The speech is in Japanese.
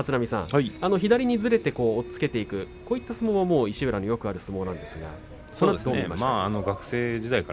左にずれて押っつけていくこういった相撲、石浦によくある相撲ですがどう見ましたか？